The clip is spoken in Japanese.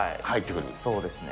そうですね。